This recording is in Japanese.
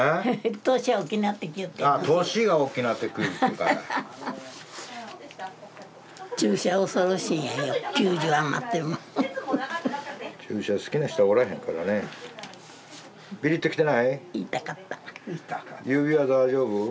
指は大丈夫？